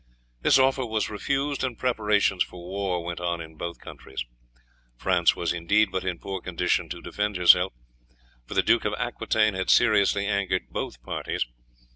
This offer was refused, and preparations for war went on in both countries. France was, indeed, but in poor condition to defend itself, for the Duke of Aquitaine had seriously angered both parties.